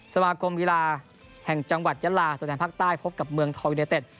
สมาคมกีฬาแห่งจังหวัดยะลาตัวแทนภาคใต้พบกับเมืองทองยูเนเต็ด